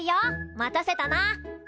待たせたな。